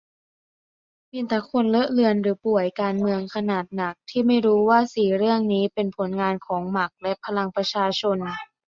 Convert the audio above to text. มีแต่คนเลอะเลือนหรือป่วยการเมืองขนาดหนัก ที่ไม่รู้ว่าสี่เรื่องนี้เป็นผลงานของหมักและพลังประชาชน